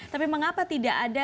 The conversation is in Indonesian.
tapi mengapa tidak ada